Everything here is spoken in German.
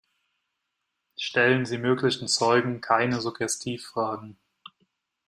Stellen Sie möglichen Zeugen keine Suggestivfragen.